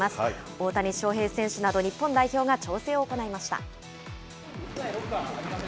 大谷翔平選手など、日本代表が調整を行いました。